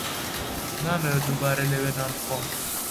نامەوێت دووبارە لەوێ نان بخۆم.